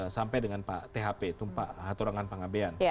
sampai dengan pak thp tumpak hatorangan pangabean